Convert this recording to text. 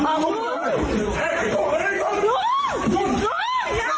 เดี๋ยวก่อนไป